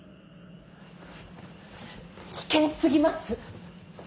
危険すぎます。